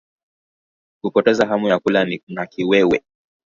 Kupoteza hamu ya kula na kiwewe